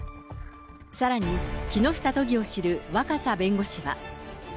さらに、木下都議を知る若狭弁護士は。